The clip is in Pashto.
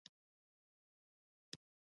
پرې هماغومره بندیز دی لکه په فرانسه کې.